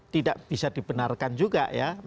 tidak bisa dibenarkan juga